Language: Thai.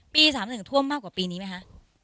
๓๑ท่วมมากกว่าปีนี้ไหมคะ